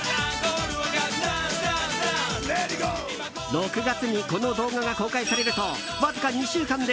６月にこの動画が公開されるとわずか２週間で